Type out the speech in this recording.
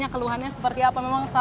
jadi orang orang yang dateng ke fickdas